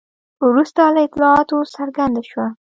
وروسته له اطلاعاتو څرګنده شوه.